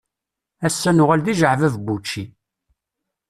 Ass-a nuɣal d ijeɛbab n wučči.